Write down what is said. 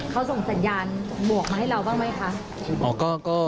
เขาส่งสัญญาณบวกมาให้เราบ้างไหมคะ